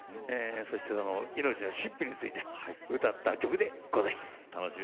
そして、命の神秘について歌った曲でございます。